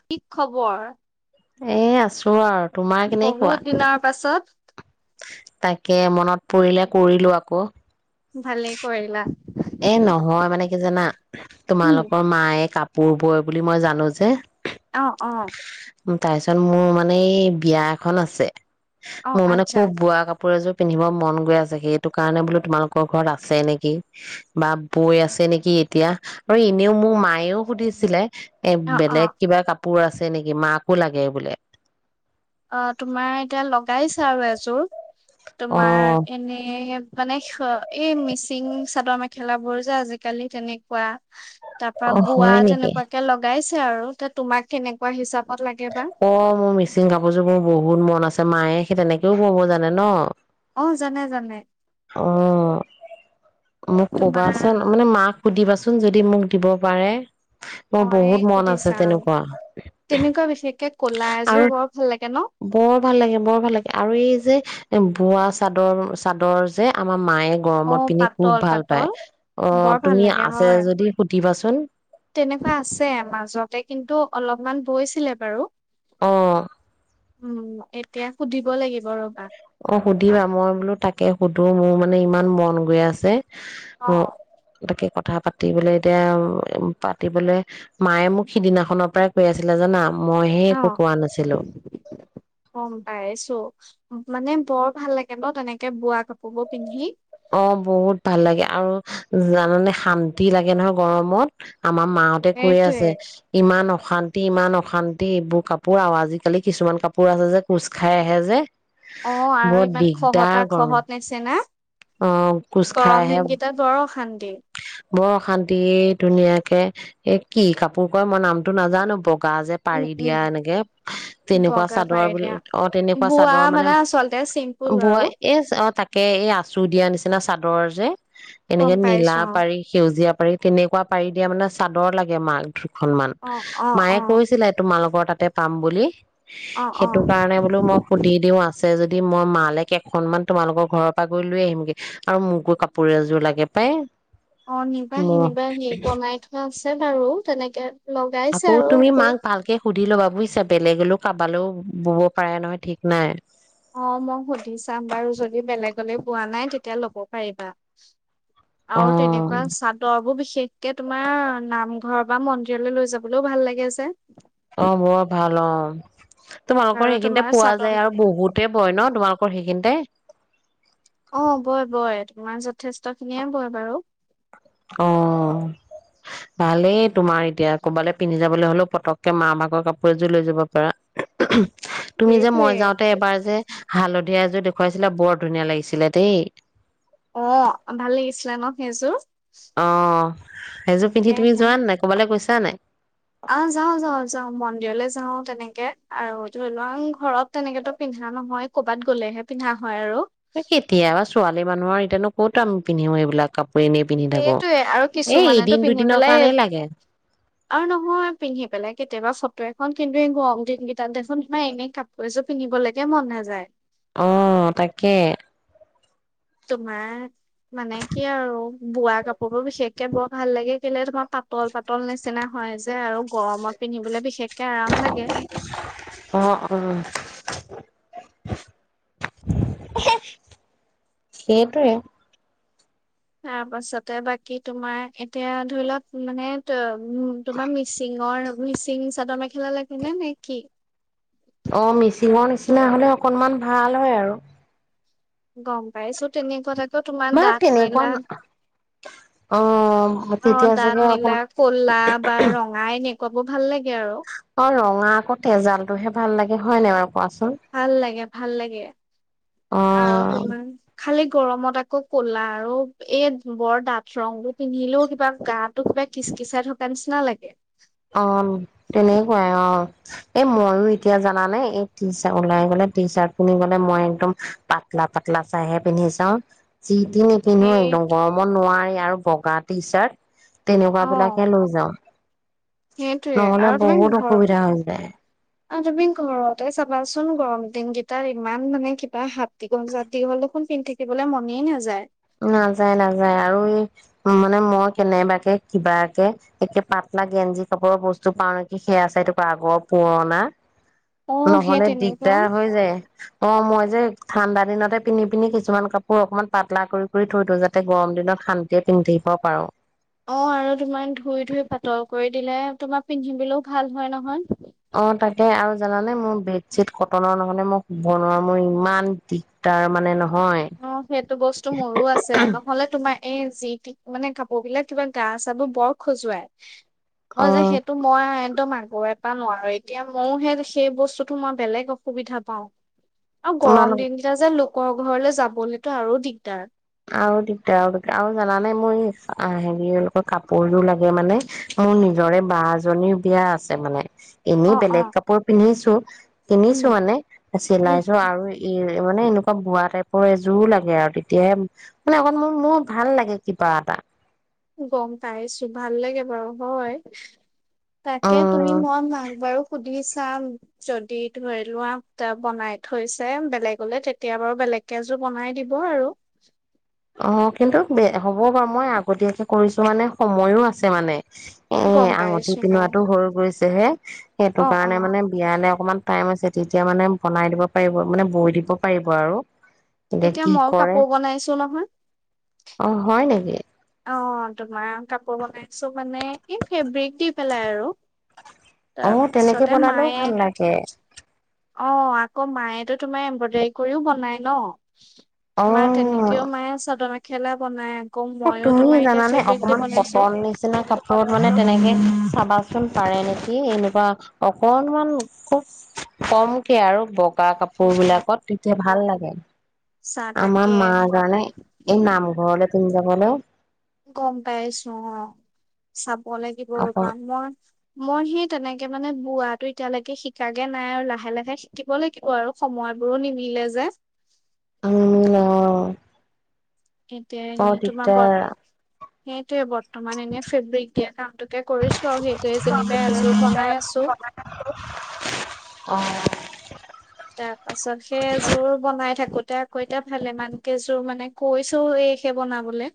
কি খবৰ এ, আছো আৰু। তোমাৰ কেনেকুৱা বহুত দিনৰ পাছত। তাকে মনত পৰিলে কৰিলো আকৌ। ভালেই কৰিলা। এ নহয় মানে কি জানা উম, তোমালোকৰ মায়ে কাপ পূৰ্বই বুলি মই জানো যে। অ', অ। তাৰ পিছত মোৰ মানে এই বিয়া এখন আছে অ', মোৰ মানে আচ্ছা। খুব বোৱা কাপোৰ এযোৰ পিন্ধিব মন গৈ আছে সেইটো কাৰণে বোলো তোমালোকৰ ঘৰত আছে নেকি বা বৈ আছে নেকি এতিয়া আৰু এনেও মোৰ মায়েও সুধিছিলে এ অ', অ', বেলেগ কিবা কাপ পোৰ আছে নেকি মাকো লাগে বোলে অ', তোমাৰ এতিয়া লগাইছা আৰু এযোৰ। অ তোমাৰ এনেই মানে এই মিচিং চাদৰ মেখেলা বোৰ যে আজিকালি তেনেকুৱা। তৰপা অ বোৱা হয় নেকি তেনেকুৱাকে লগাইছে আৰু তোমাক কেনেকুৱা হিচাপ অ মোৰ মিচিং কাপোৰযোৰ বোৰ বহুত মন আছে মায়ে সেই তেনেকেও বব জানে ন অ', জানে জানে। অ মোক তোমাৰ কবাচোন মানে মাক সুধিবাচোন কোন যদি মোক দিব পাৰে মোৰ মই বহুত মন আছে সুধিছা তেনেকুৱা তেনেকুৱা বিশেষকে ক'লা এযোৰ আৰু বৰ ভাল লাগে ন? বৰ ভাল লাগে বৰ ভাল লাগে আৰু এই যে এ বোৱা চাদৰ চাদৰ যে আমাৰ মায়ে গৰমত অ', পিন্ধি পাতল খুব ভাল পাতল পায় বৰ অ', ভাল তুমি লাগে আছে হয়। যদি সুধিবাচোন। হ [inaudible] তেনেকুৱা আছে মাজতে কিন্তু অলপমান বৈছিলে বাৰু অ উম এতিয়া সুধিব লাগিব ৰব অ', সুধিবা। মই বোলো তাকে সুধোঁ, মোৰ মানে ইমান মন গৈ আছে। অ', তাকে ক কথা পাতিবলৈ এতিয়া উ পাতিবলৈ মায়ে মোক সিদিনাখনৰ পৰাই কৈ আছিলে জানা মইহে একো অ', কোৱা নাছিলো গম পাইছো। মানে বৰ ভাল লাগে ন তেনেকে বোৱা কাপোৰ বোৰ পিন্ধি অ বহুত ভাল লাগে আৰু জানানে শান্তি লাগে নহয় গৰমত আমাৰ মা হতে কৈ সেইটোৱে। আছে ইমান অশানত এতি ইমান অশান্তি এইবোৰ কাপোৰ আৰু আজিকালি কিছুমান কাপোৰ আছে যে কোচ খাই আহে যে অ' আৰু বৰ ইমান দিগদাৰ খহতা গৰম খহত নিছিনা। অ কুছ খাই আহে বৰ অশান্তি। বৰ অশান্তি এ ধুনীয়াকে এ কি কাপোৰ কয় মই নামটো নাজানো বক বগা যে উম, পাৰি উম, দিয়া এনেকে তেনেকুৱা বগা চাদৰ পাৰি বিলাক দিয়া। অ তেনেকুৱা বোৱা চাদৰ মানে আচলতে অ চিম্পুল আৰু বয় এ অ তাকে এই আচু দিয়া নিচিনা। নিচিনা চাদৰ যে গম এনেকে নীলা পাইছো ৰঙা অ'। পাৰি সেউজীয়া পাৰি তেনেকুৱা পাৰি দিয়া মানে চাদৰ লাগে মাল দুখনমান অ', অ', মায়ে অ', কৈছিলে তোমালোকৰ তাত তে পাম বুলি অ', সেইটো অ'। কাৰণে বোলো মই সুধি দিওঁ আ আছে যদি মই মা লে কেইখনমান তোমালোকৰ ঘৰৰ পৰা গৈ লৈ আহিম গৈ আৰু মোকো কাপোৰ এযোৰ লাগে পাই অ নিবাহি মোৰ নিবাহি এ বনাই থোৱা আছে আছে বাৰু তেনেকে লগাইছে আকৌ আৰু তুমি মাক ভালকে সুধি ল'বা। বুইছা বেলেগলেও কাৰোবালেও বব পাৰে নহয় ঠিক নাই অ মই সুধি চাম বাৰু যদি বেলেগলৈ বোৱা নাই তেতিয়া ল'ব পাৰিবা অ আৰু তেনেকুৱা চাদৰ বোৰ বিশ বিশেষকে তোমাৰ নামঘৰ বা মন্দিৰলৈ লৈ যাবলৈওঁ ভাল লাগে যে অ' বৰ ভাল অ'। আৰু তোমালোকৰ সেইখিনিতে তোমাৰ পোৱা চাদৰ যায় আৰু বহুতে বয় ন তোমালক পঢ়ি কেনদে অ বয়, বয় তোমাৰ যথেষ্ট খিনিয়ে বয় বাৰু। অ' ভালেই তোমাৰ এতিয়া ক'বালৈ পিন্ধি যাবলৈ হ'লেও পতককে মাৰ ভাগৰ কাপোৰ এযোৰ লৈ যাব পাৰা। তুমি যে সেইটোৱে মই যাওঁতে এবাৰ যে হালধি সেয়া এযোৰ দেখুৱাইছিলা বৰ ধুনীয়া লাগিছিলে দেই। অ ভাল লাগিছিলে ন সেইযোৰ অ সেইযোৰ পিন্ধি তুমি তাকেহে। যোৱা নাই কবালৈ কৈছা জানাই অ', যাওঁ যাওঁ যাওঁ মন্দিৰলৈ যাওঁ তেনেকে আৰু ধৰি লোৱা ঘৰত তেনেকেতো পিন্ধা নহয় ক'বাত গ'লেহে পিন্ধা হয় আৰু। কেতিয় বা ছোৱালী মানুহৰ তেনে ক'ত আমি পিন্ধো এইবাক কাপোৰ এনেই পিন্ধি থাকো সেইটোয়ে আৰু এই কিছুমানেতো এদিন পিন্ধি দুদিনৰ পেলাই কাৰণেই লাগে আৰু নহয় পিন্ধি পেলাই কেতিয়াবা ফটো এখন কিন্তু গৰম দিনকেইটাত দেখোন তমাৰ এনে কাপোৰ এযোৰ পিন্ধিবলৈকে মন নাযায় অহ তাকে তোমাৰ মানে কি আৰু বোৱা কাপোৰ বোৰ বিশেষকে বৰ ভাল লাগে কেলে তোমাৰ পাতল পাতল নিচিনা হয় যে আৰু গৰমত পিন্ধিবলৈ বিশেষকে আৰাম লাগে অ অ সেইটোৱে তাৰপাছতে বাকি তোমাৰ এতিয়া ধৰি লওক মানে তোমাৰ মিচিঙৰ মিচিং চাদৰ মেখেলা লাগেনে নে কি অ মিচিঙৰ নিচিনা হলে অকনমান ভাল হয় আৰু গম পাইছো তেনেকুৱা তোমাৰ বা দাঁত তেনেকুৱা নিলা অ', অ তেতিয়া দাঁত চাগে অকণ নিলা, কলা বা ৰঙাই এনেক কব ভাল লাগে আৰু। অ ৰঙা আকৌ তেজাল টোহে ভাল লাগে হয় নে ব ভাল লাগে, ভাল লাগে অ আৰু তোমাৰ খালি গৰমত আকৌ ক'লা আৰু এই বৰ দাঠ ৰং বোৰ পিন্ধিলেও কিবা গাটো কিবা কিচকিচাই থকা নিচিনা লাগে। এ, মইও এতিয়া জানা নে, এই টি চা ওলাই গ'লে টি চাৰ্ট পিন্ধি গ'লে মই একদম পাতলা পাতলা চাইহে পিন্ধি চাওঁ। যি তি নিপিন্ধো সেই একদম গৰমত নোৱাৰি আৰু পগা টি চাৰট। তেনেকুৱা অ বিলাকে লৈ যাওঁ। সেইটোয়ে নহ'লে বহুত অসুবিধা হৈ যায়। অ', তুমি ঘৰতে চাবাচোন, গৰম দিনকেইটাত ইমান মানে কিবা হাত দীঘল, চাত দীঘল দেখোন পিন্ধি থাকিবলৈ মনেই নাযায়। নাযায় নাযায় আৰু এই মানে মই কেনেবাকে কিবাকে একে পাতলা গেঞ্জি কাপোৰৰ বস্তু পাও নেকি সেয়া আছে এইটো ক আগৰ পুৰণা অ সেই নহলে তেনেকুৱা দিগদাৰ হৈ যায় অ মই যে ঠাণ্ডা দিনতে পিন্ধি পিন্ধি কিছুমান কাপোৰ অকনমান পাতলা কৰি কৰি থৈ দি যাতে গৰম দিনত শান্তিয়ে পিন্ধিব পাৰো অ আৰু তোমাৰ ধুই ধুই পাতল কৰি দিলে তোমাৰ পিন্ধি দিলেও ভাল হয় নহয় অ তাকে আৰু জানানে মোৰ বেডশ্বিট কটনৰ নহলে মই শুব নোৱাৰু মোৰ ইমান দিগদাৰ মানে নহয় অ সেইটো বস্তু মোৰো আছে নহলে তোমাৰ এ যি মানে কাপোৰ বিলাক কিবা গা চাবোৰ বৰ খজুৱাই অ যে সেইটো মই একদম আ সৰুৰেপৰা নোৱাৰো এতিয়া মই সেই বস্তুতো মই বেলেগ অসুবিধা পাও অঁ গৰম তোমালোক দিনকিটা যে লোক কৰ ঘৰলে যা খাবলেতো আৰু দিগদাৰ। আৰু দিগদাৰ আৰু দিগদাৰ আৰু জানা নে মোৰ হেৰি কাপোৰযোৰ লাগে মানে মোৰ নিজৰে বা জনীৰ বিয়া আছে মানে। এনেই অ অ বেলেগ কাপোৰ পিন্ধিছো ত' উম কিনিছো মানে, উম চিলাইছো আৰু ই মানে, এনেকুৱা বোৱা টাইপৰ এযোৰো লাগে আৰু তেতিয়াহে মানে, অকণমান মোৰ ভাল লাগে কিবা এটা। গম পাইছোঁ, ভাল লাগে বাৰু হয় তাকে, তুমি উম মই মাক বাৰু সুধি চাম যদি ধৰি লোৱা বনাই থৈছে বেলেগলৈ তেতিয়া বাৰু বেলেগকে এযোৰ বনাই দিব আৰু। অঁ কিন্তু ব হ'ব বাৰু মই আগতীয়াকে কৰিছো মানে সময়ও আছে মানে। এ, গম আঙঠি পাইছো মই পিন্ধোৱাটো হৈ গৈছে হে, সেইটো অ অ কাৰণে মানে, বিয়ালে অকমান টাইম আছে। তেতিয়া মানে বনাই দিব পাৰিব, মানে বৈ দিব পাৰিব আৰু। এতিয়া কি মইও কৰে কাপোৰ বনাইছো নহ অ হয় নেকি এ অঁ! তোমাৰ কাপোৰ বনাইছো মানে, এই ফেব্ৰিক দি পেলাই আৰু। অঁ! তেনেকে তাৰপিছতে বনালেও ভাল লাগে। অঁ! আকৌ, মায়েতো তোমাৰ এম্ব্ৰইডাৰী কৰিও বনাই ন। অ মা তেনেকেও, মায়ে চাদ -মেখেলা বনাই। ক' অ ময়ো তুমি জানানে অকমান কটন নিচিনা কাপোৰত মানে তেনেকে চাবা পাৰে নেকি, এনেকুৱা অকনমান খুব কমকে আৰু বোৱা কাপোৰ উম, উম, বিলাকত তেতিয়া ভাল লাগে, চা আমাৰ তাকে মাৰ কাৰণে এই নামঘৰলে তুমি যাব ন'। গম পাইছো অ'! চা ক'ব লাগিব আকৌ ৰ'বা, মই মই সেই, তেনেকে মানে বোৱাটো এতিয়ালৈকে, শিকাগে নাই আৰু লাহে লাহে শিকিব লাগিব আৰু সময়বোৰো নিমিলে যে। আম অঁ এতিয়া এনেই তোমাৰ ব সেইটোয়ে বৰ্তমান। এনে, ফেব্ৰিক দিয়া কামটো বনাই আছো। অঁ! তাৰ পাছত সেইযোৰ বনাই থাকো কইতা কইতা ভালে মান কেইযোৰ মানে কৈছো এই সে বনাবলৈ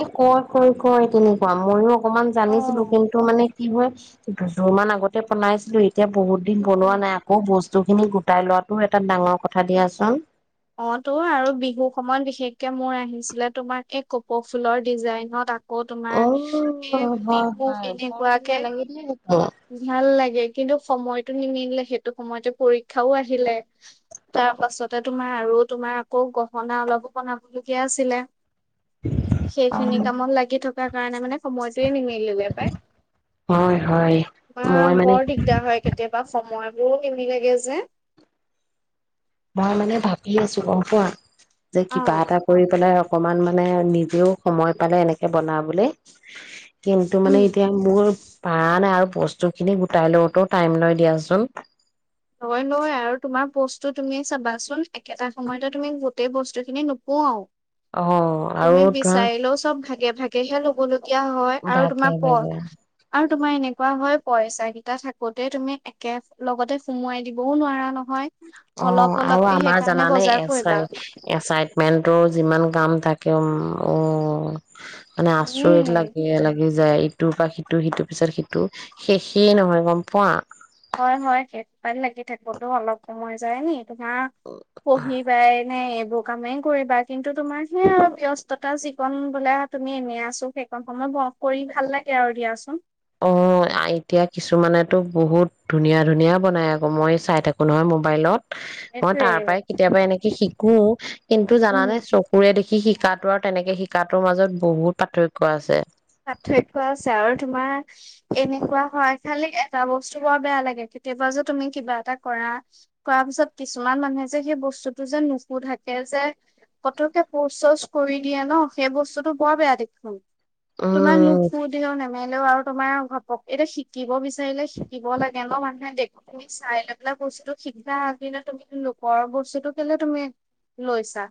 এ' কয় কয় কয় তেনে [unintelligible] অকমান অ জানিছিলো কিন্তু মানে তিঃহোৱা দুযোৰ মান আগতে বনাইছিলোই এতিয়া, বহুত দিন বনোৱা নাই আকৌ বস্তু বস্তুখিনি গোটাই লোৱাটো এটা ডাঙৰ কথা দিয়াচোন। অ' তো আৰু বিহু সময়ত বিশেষকে মোৰ আহিছিলে তোমাৰ এই কপৌফুলৰ ডিজাইনত আ অহ', -হয়-হয় বৰ এনেকুৱাকে ধুনীয়া লাগি, ভাল লাগে কিন্তু সময়টো নিমিলে সেইটো সময়তে পৰীক্ষাও আহিলে তাৰপাছতে তোমাৰ আৰু তোমাৰ আকৌ গহনা অলপো বনাবলগীয়া আছিলে সেইখিনি অ কামত লাগি থক তাৰ কাৰণে মানে সময়টোৱে নিমিলে পাই হয় হয় মই মানে বৰ দিগদাৰ হয় কেতিয়াবা সময় মোৰ নিমিলেগে যে মই মানে ভাবি আছো গম পোৱা যে অ কিবা এটা কৰি পেলাই অকমান মানে নিজেও সময় পালে এনেকে বনাবলে কিন্তু মানে উম। এতিয়া মোৰ পাৰা নাই আৰু বস্তুখিনি গোটাই লওঁতো ও টাইম লয় দিয়াচোন লয় লয় আৰু তোমাৰ বস্তু তুমি চাবাচোন, একেটা সময়তে তুমি গোটেই বস্তুখিনি নোপোৱাও। অ তুমি আৰু ধৰা বিচাৰিলেও চব ভাগে ভাগেহে ল'ব লগীয়া হয় আৰু তোমাৰ ভাগে পঢ় ভাগে আৰু তোমাৰ এনেক কোৱা হয় পইচাকিটা থাকোতেই তুমি একে লগতে সোমোৱাই দিবও নোৱাৰা ন' অ' আৰু আমাৰ জানানে বজাৰ কৰিবা। এচাইটমেণ্ট ৰ যিমান কাম থাকে উম অ' মানে আচৰিত উম লাগে লাগ লাগি যায় ইটোৰ বা সিটো, সিটোৰ পিছত সিটো শেষেই নহয় গম পোৱা। হয়, হয় সেই সোপাত লাগি থাকোতো আমাৰ কম সময় যায় নি। [unintelligible] নে এইবোৰ কামেই কৰিবা। কিন্তু তোমাৰ সেইয়া ব্যস্ততা যিকন বোলে তুমি এনে আছো সেইকণ সময় ফোন কৰি ভাল লাগে আৰু দিয়াচোন। অ', এতিয়া কিছুমানেতো বহুত ধুনীয়া ধুনীয়া বনাই আকৌ মই চাই থাকো নহয় মোবাইলত। মই সেইটোয়ে তাৰ পৰাই কেতিয়াবা এনেকে শিকো কিন্তু জানা উম নে চকুৰে দেখি শি তাৰ ওপৰত তেনেকে শিকাটোৰ মাজত বহুত পাৰ্থক্য আছে। পাৰ্থক্য আছে আৰু তোমাৰ এনেকুৱা হয়, খালি এটা বস্তু বৰ বেয়া লাগে, কেতিয়াবা যে', তুমি কিবা এটা কৰা, কৰা পিছত কিছুমান মানুহে যে, সেই বস্তুটো যে', নুহুধাকে যে পতক্কে পচ-চচ কৰি দিয়ে ন', সেই বস্তুটো বৰ বেয়া দেখুন। তোমাক লোক উম, হুধেও, নেমেলেও আৰু তোমাৰ, অ ', কওক এতিয়া শিকিব বিচাৰিলে শিকিব লাগে ন? মানুহে দেখি চাই লৈ পেলাই বস্তুটো শিকা, তুমি লোকৰ বস্তুটো কেলে তুমি লৈছা?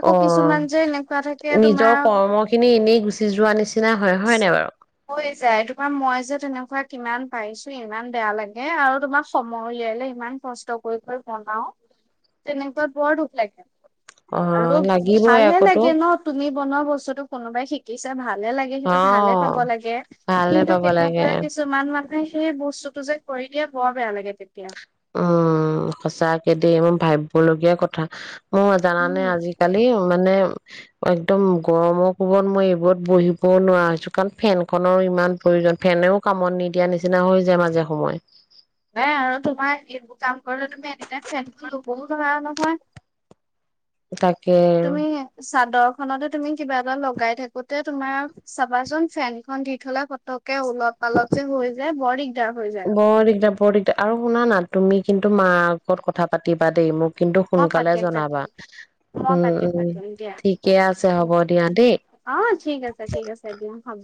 আকৌ অ', কিছুমান যে এনেকুৱা থাকে -নিজৰ তোমাৰ কৰ্ম -খিনি এনেই গুচি যো, যোৱা নিচিনা হয়। হয় নাই বাৰু? হৈ যায় মই যে তেনেকুৱা কিমান পাইছো ইমান বেয়া লাগে, আৰু তোমাক সময় উলিয়াই- উলিয়াই ইমান কষ্ট কৰি -কৰি বনাও তেনেকুৱাত বৰ দুখ লাগে। আৰু অ', লাগিবই ভালহে আকৌতো লাগে ন', তুমি বনোৱা বস্তুটো- কোনোবাই শিকি, চে ভাত ভালেই লাগে। সেইটো ভালহে অ', পাব লাগে। ভালহে কিন্তু পাব কেতিয়াবা লাগে। কিছুমান মানুহে সেই বস্তুতটো যে, ' কৰি- তেতিয়া, বৰ বেয়া লাগে। তেতিয়া- উম', -সচাকে দেই মই ভাবিব লগীয়া কথা। অ', -জানানে! উম আজিকালি অহ', মানে- একদম গৰমৰ কোবত মই, এইবোৰত বহিবও নোৱাৰা হৈছো। কাৰণ ফেন খনৰো ইমান প্ৰয়োজন, ফেনেও কামত নিদিয়া নিচিনা হৈ যায় মাজে সময়ে। নাই আৰু তোমাৰ এইবোৰ কাম কৰিলে তুমি এনিটাইম ফেনটো লবও নোৱাৰা নহয়। তাকে, তুমি চাদৰ খনতে তুমি, কিবা এটা লগাই থাকোতে তোমাৰ চাবাচোন ফেন-খন দি থলে, পতককে উলত-পালত হৈ যায় বৰ দিগদাৰ। হৈ যায় বৰ দিগদাৰ - বৰ দিগদাৰ। আৰু শুনা না তুমি কিন্তু মাৰ আগত কথা পাতিবা দেই, মোক কিন্তু অ', সোনকালে পতিম জনাবা -পাতিম মই উম পাতিম- উম পাতিম দিয়া। ঠিকে আছে হ'ব দিয়া দেই অ', -ঠিক আছে-ঠিক আছে দিয়া হ'ব।